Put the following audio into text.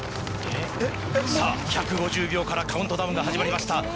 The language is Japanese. さぁ１５０秒からカウントダウンが始まりました。